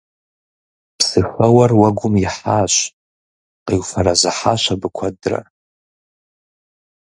Псыхэуэр уэгум ихьащ. Къиуфэрэзыхьащ абы куэдрэ.